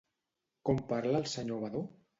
Com parla el senyor Badó?